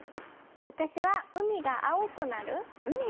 私は海が青くなる！